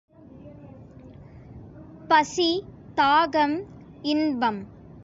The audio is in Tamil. பசி, தாகம், இன்பம்.